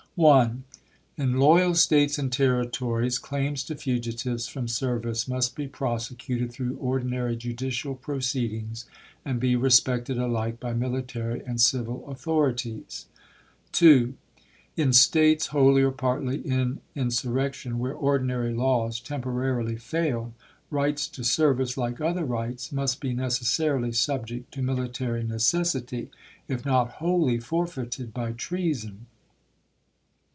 1. In loyal States and Territories claims to fugitives from service must be prosecuted through ordinary judicial proceedings and be respected alike by military and civil authorities. 2. In States wholly or partly in insurrection, where ordinary laws temporarily fail, rights to service, like other rights, must be necessarily subject to military necessity, if not wholly forfeited by treason.